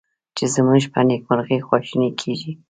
چې زمونږ په نیکمرغي خواشیني کیږي